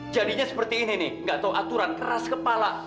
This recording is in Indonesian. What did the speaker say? jadinya seperti ini nih gak tau aturan keras kepala